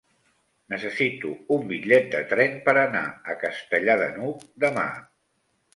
Necessito un bitllet de tren per anar a Castellar de n'Hug demà.